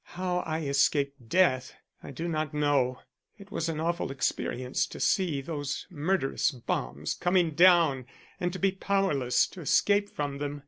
How I escaped death I do not know: it was an awful experience to see those murderous bombs coming down and to be powerless to escape from them.